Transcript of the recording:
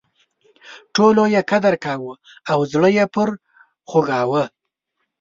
ټولو یې قدر کاوه او زړه یې پر خوږاوه.